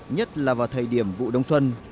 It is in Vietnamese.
nhất là vào thời điểm vụ đông xuân